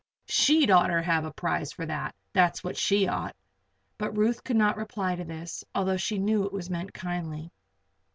She'd oughter have a prize for that, that's what she ought!" But Ruth could not reply to this, although she knew it was meant kindly.